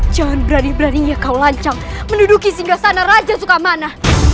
jangan berani beraninya kau lancang menduduki singgah sana raja sukamana